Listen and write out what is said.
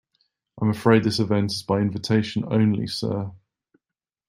I'm afraid this event is by invitation only, sir.